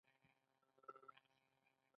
هغې ته د نوبل جایزه ورکړل شوه.